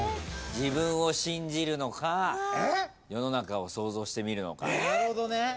自分を信じるのか世の中を想像してみるのか。